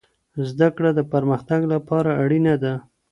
زده کړه د پرمختګ لپاره اړینه ده.